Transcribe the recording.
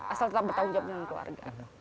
asal tetap bertanggung jawab dengan keluarga